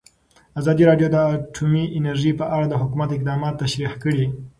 ازادي راډیو د اټومي انرژي په اړه د حکومت اقدامات تشریح کړي.